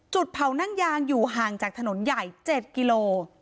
เผานั่งยางอยู่ห่างจากถนนใหญ่๗กิโล